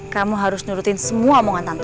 kamu harus nurutin semua omongan tante